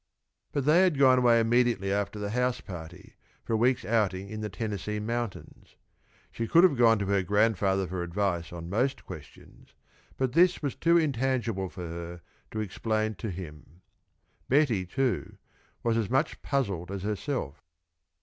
But they had gone away immediately after the house party, for a week's outing in the Tennessee mountains. She could have gone to her grandfather for advice on most questions, but this was too intangible for her to explain to him. Betty, too, was as much puzzled as herself.